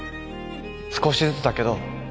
少しずつだけど